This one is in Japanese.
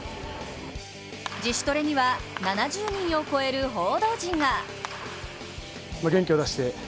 自主トレには７０人を超える報道陣が。